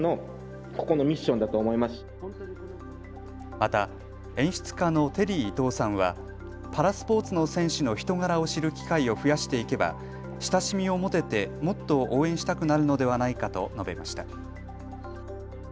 また、演出家のテリー伊藤さんはパラスポーツの選手の人柄を知る機会を増やしていけば親しみを持ててもっと応援したくなるのではないかと述べました。